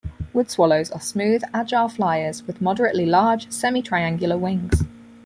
Woodswallows are smooth, agile flyers with moderately large, semi-triangular wings.